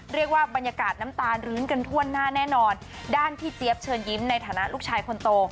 เรียกว่าบรรยากาศน้ำตาลื้นกันทั่วหน้าแน่นอนด้านพี่เจี๊ยบเชิญยิ้มในฐานะลูกชายคนโต